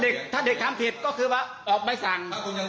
เด็กถ้าเด็กทำผิดก็คือว่าออกใบสั่ง